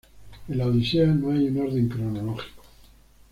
En la "Odisea" no hay un orden cronológico.